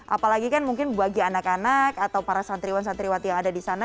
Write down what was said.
apalagi kan mungkin bagi anak anak atau para santriwan santriwati yang ada di sana